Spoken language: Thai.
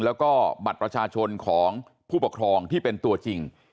แล้วก็บัตรประชาชนของผู้ปกครองที่เป็นตัวจริง